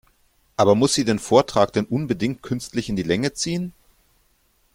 Aber muss sie den Vortrag denn unbedingt künstlich in die Länge ziehen?